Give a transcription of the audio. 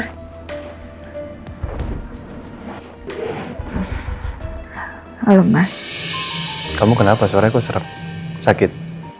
halo mas kamu kenapa suaranya kok sakit